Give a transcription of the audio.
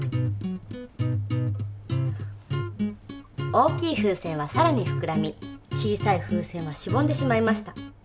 大きい風船はさらにふくらみ小さい風船はしぼんでしまいました。